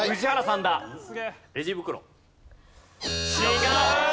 違う。